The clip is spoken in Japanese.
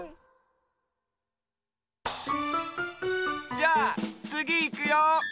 じゃあつぎいくよ。